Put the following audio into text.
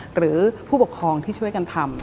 หรือผู้ประองค์ที่ช่วยการทำ